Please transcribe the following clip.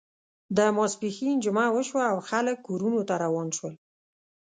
د ماسپښین جمعه وشوه او خلک کورونو ته روان شول.